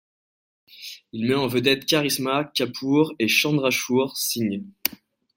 Il met en vedette Karisma Kapoor et Chandrachur Singh.